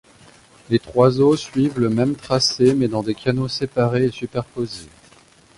Les trois eaux suivent le même tracé mais dans des canaux séparés et superposés.